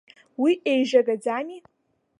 Уи еижьагаӡами?